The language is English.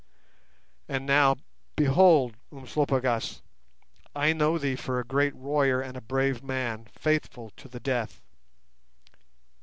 "And now, behold, Umslopogaas, I know thee for a great warrior and a brave man, faithful to the death.